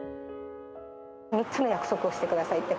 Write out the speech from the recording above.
３つの約束をしてくださいって。